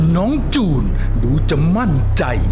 จูนดูจะมั่นใจ